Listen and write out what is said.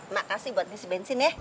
mak kasih buat isi bensin ya dua ratus